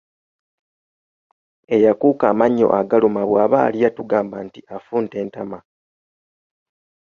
Eyakuuka amannyo agaluma bw’aba alya tugamba nti afunta entama.